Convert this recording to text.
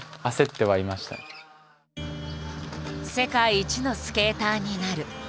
「世界一のスケーターになる」。